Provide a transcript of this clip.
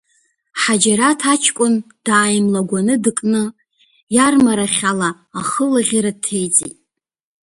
Ҳаџьараҭ аҷкәын дааимлагәаны дыкны, иармарахьала ахылаӷьара дҭеиҵеит…